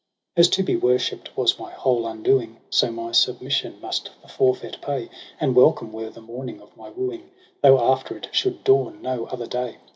17 ' As to be worshiped was my whole undoing. So my submission must the forfeit pay : And welcome were the morning of my wooing, Tho' after it should dawn no other day.